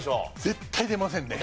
絶対出ませんね。